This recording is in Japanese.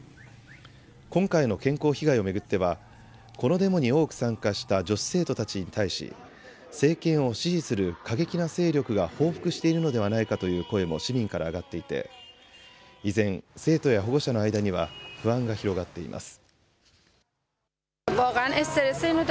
今回の健康被害を巡ってはこのデモに多く参加した女子生徒たちに対し政権を支持する過激な勢力が報復しているのではないかという声も市民から上がっていて依然、生徒や保護者の間には不安が広がっています。